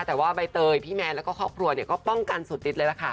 แต่ว่าใบเตยพี่แมนแล้วก็ครอบครัวเนี่ยก็ป้องกันสุดติดเลยล่ะค่ะ